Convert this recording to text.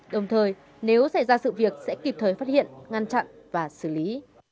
đồng thời nếu xảy ra sự việc sẽ kịp thời phát hiện ngăn chặn và xử lý